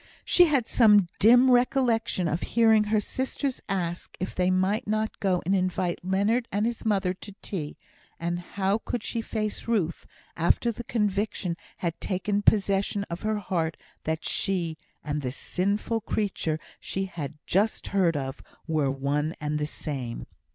She had some dim recollection of hearing her sisters ask if they might not go and invite Leonard and his mother to tea; and how could she face Ruth, after the conviction had taken possession of her heart that she, and the sinful creature she had just heard of, were one and the same?